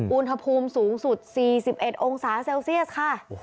อุณหภูมิสูงสุด๔๑องศาเซลเซียสค่ะ